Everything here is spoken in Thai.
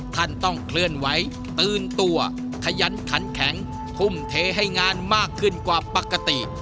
ท่านต้องเคลื่อนไหวตื่นตัวขยันขันแข็งทุ่มเทให้งานมากขึ้นกว่าปกติ